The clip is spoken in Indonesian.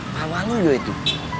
malu malu juga itu